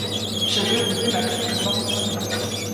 J’avais oublié ma clef et mon porte-monnaie.